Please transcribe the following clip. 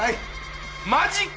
マジか！